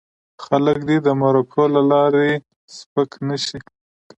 خلک دې د مرکو له لارې سپک نه شي.